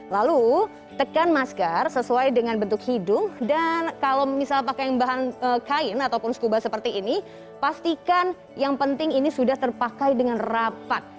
lalu tekan masker sesuai dengan bentuk hidung dan kalau misal pakai bahan kain ataupun skuba seperti ini pastikan yang penting ini sudah terpakai dengan rapat